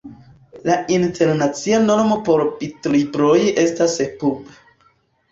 La internacia normo por bitlibroj estas ePub.